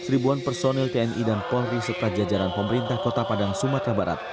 seribuan personil tni dan polri serta jajaran pemerintah kota padang sumatera barat